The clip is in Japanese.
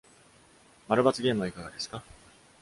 まるばつゲームはいかがですか？